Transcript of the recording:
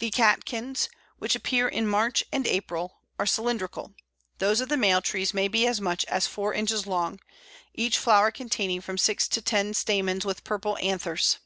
The catkins, which appear in March and April, are cylindrical; those of the male trees may be as much as four inches long, each flower containing from six to ten stamens with purple anthers.